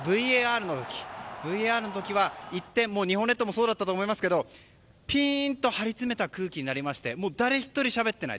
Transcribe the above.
ＶＡＲの時は日本列島もそうだったと思いますけどピーンと張りつめた空気になりまして誰一人しゃべっていない。